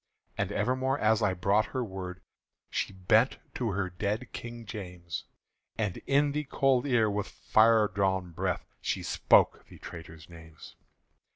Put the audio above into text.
And evermore as I brought her word, She bent to her dead King James, And in the cold ear with fire drawn breath She spoke the traitors' names.